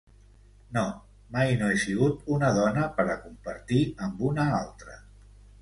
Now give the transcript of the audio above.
No, mai no he sigut una dona per a compartir amb una altra...